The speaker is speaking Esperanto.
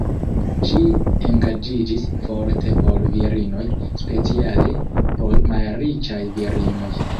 Ŝi engaĝiĝis forte por virinoj, speciale por malriĉaj virinoj.